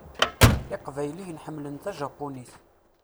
Iqbayliyen ḥemmlen tajapunit.